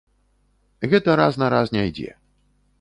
Гэта раз на раз не ідзе.